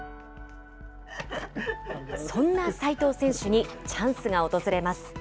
そんな齋藤選手にチャンスが訪れます。